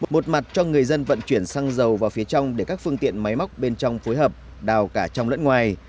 một mặt cho người dân vận chuyển xăng dầu vào phía trong để các phương tiện máy móc bên trong phối hợp đào cả trong lẫn ngoài